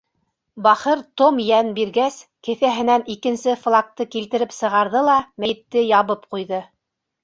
Бахыр Том йән биргәс, кеҫәһенән икенсе флагты килтереп сығарҙы ла мәйетте ябып ҡуйҙы.